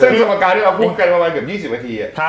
ประสบการณ์ที่เราพูดกันประมาณเกือบ๒๐นาที